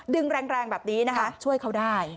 แรงแบบนี้นะคะช่วยเขาได้